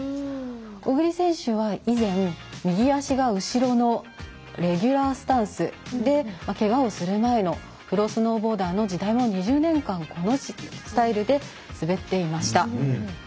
小栗選手は、以前右足が後ろのレギュラースタンスでけがをする前のプロスノーボーダーの時代２０年間、このスタイルで滑っていました。